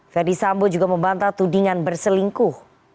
ferdis sambo juga membantah tudingan berselingkuh